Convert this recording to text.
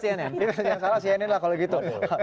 yang salah cnn lah kalau gitu